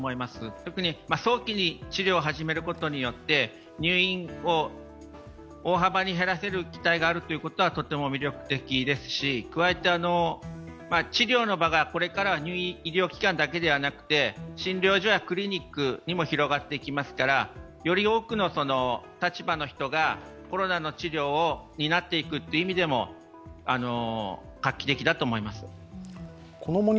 特に、早期に治療を始めることによって入院を大幅に減らせる期待があることはとっても魅力的ですし、加えて治療の場がこれからは医療機関だけではなくて診療所やクリニックにも広がっていきますからより多くの立場の人がコロナの治療を担っていくという意味でも画期的だと思います。